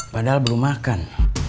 padahal belum makan